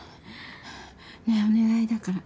ねえお願いだから